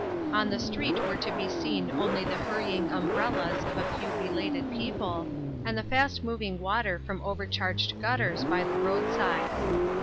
On the street were to be seen only the hurrying umbrellas of a few belated people, and the fast running water from overcharged gutters by the roadside.